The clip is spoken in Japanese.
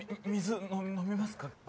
み水飲みますか？